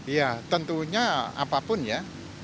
ya tentunya apapun ya